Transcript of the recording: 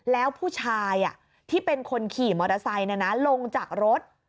แล้วผู้ชายที่เป็นคนขี่มอเตอร์ไซค์ลงจากรถ